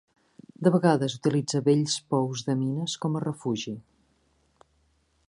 De vegades utilitza vells pous de mines com a refugi.